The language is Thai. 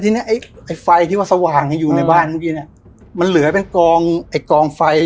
ทีนี้ไฟที่สาว่านอยู่ในบ้านพึ่งนี้